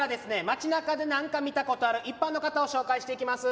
町なかで何か見たことある一般の方を紹介していきます。